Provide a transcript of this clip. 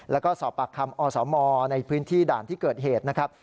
แล้วก็สอบปากคำอสมในพื้นที่ด่านที่เกิดเหตุนะครับ